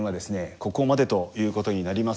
ここまでということになります。